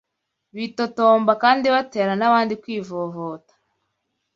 bitotomba kandi batera n’abandi kwivovota,